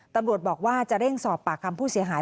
ตำรวจบอกว่าจะเร่งสอบปากคำผู้เสียหาย